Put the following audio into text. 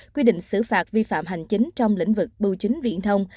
quy định xử phạt vi phạm hành chính trong lĩnh vực bưu chính viện thông